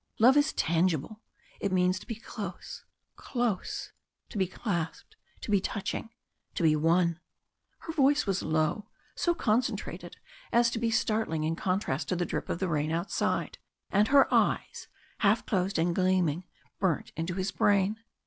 Love is tangible it means to be close close to be clasped to be touching to be One!" Her voice was low so concentrated as to be startling in contrast to the drip of the rain outside, and her eyes half closed and gleaming burnt into his brain.